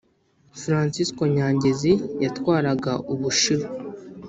Fransisko Nyangezi yatwaraga Ubushiru.